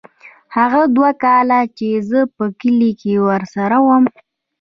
هغه دوه کاله چې زه په کلي کښې ورسره وم.